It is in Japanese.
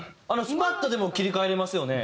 スパッとでも切り替えられますよね。